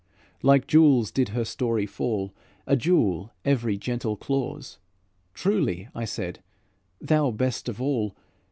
Like jewels did her story fall, A jewel, every gentle clause; "Truly," I said, "thou best of all!